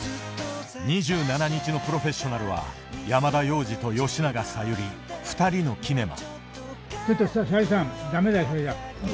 ２７日の「プロフェッショナル」は山田洋次と吉永小百合２人のキネマ。